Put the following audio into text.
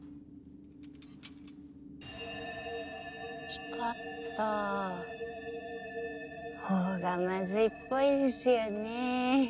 光ったほうがまずいっぽいですよね。